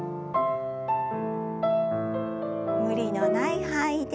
無理のない範囲で。